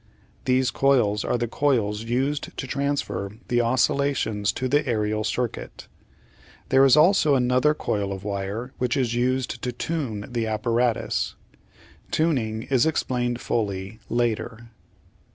These coils are the coils used to transfer the oscillations to the aerial circuit. There is also another coil of wire which is used to tune the apparatus. Tuning is explained fully later.